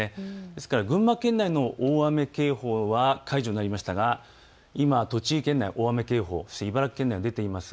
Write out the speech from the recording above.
ですから群馬県内の大雨警報は解除になりましたが今、栃木県内、大雨警報、茨城県内も出ています。